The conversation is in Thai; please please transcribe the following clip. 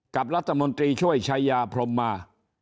กับรัฐมนตรีช่วยชายาพรมมา